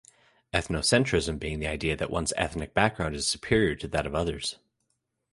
Ethnocentrism being the idea that one's ethnic background is superior to that of others.